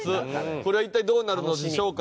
これは一体どうなるのでしょうか？